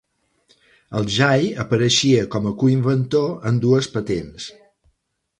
El Jay apareixia com a coinventor en dues patents.